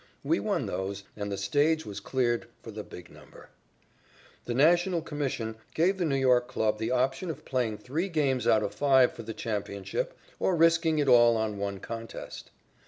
We won those, and the stage was cleared for the big number. The National Commission gave the New York club the option of playing three games out of five for the championship or risking it all on one contest.